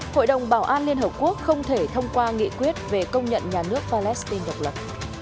hội đồng bảo an liên hợp quốc không thể thông qua nghị quyết về công nhận nhà nước palestine độc lập